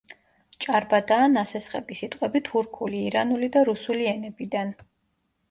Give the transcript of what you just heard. ჭარბადაა ნასესხები სიტყვები თურქული, ირანული და რუსული ენებიდან.